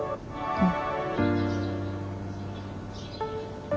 うん。